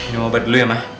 kamu mau berdua ya ma